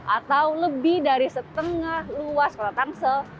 atau lebih dari setengah luas kota tangsel